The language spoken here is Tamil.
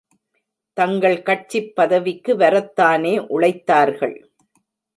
தங்கள் கட்சிப் பதவிக்கு வரத்தானே உழைத்தார்கள்.